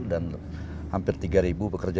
dan hampir tiga bekerja